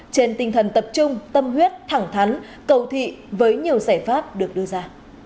trên tinh thần tập trung tâm huyết thẳng thắn cầu thị với nhiều giải pháp được đưa ra